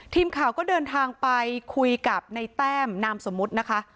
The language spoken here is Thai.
ทีมข่าวก็เดินทางไปคุยกับในแต้มนามสมมุตินะคะ